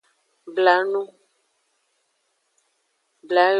Bla enu.